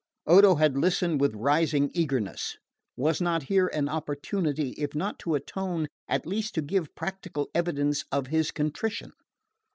Odo had listened with rising eagerness. Was not here an opportunity, if not to atone, at least to give practical evidence of his contrition?